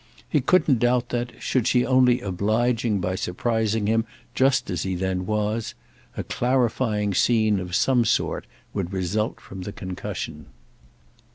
He couldn't doubt that, should she only oblige him by surprising him just as he then was, a clarifying scene of some sort would result from the concussion.